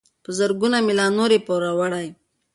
په زرګونو مي لا نور یې پوروړی